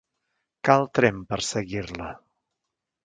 Cal tremp per seguir-la.